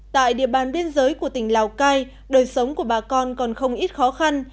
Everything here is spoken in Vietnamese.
tại địa bàn biên giới của tỉnh lào cai đời sống của bà con còn không ít khó khăn